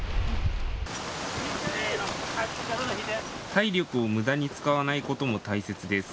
体力をむだに使わないことも大切です。